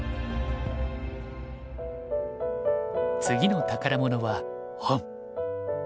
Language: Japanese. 次の宝物は本。